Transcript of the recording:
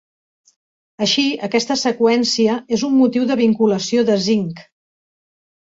Així, aquesta seqüència és un motiu de vinculació de zinc.